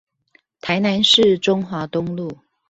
台南市中華東路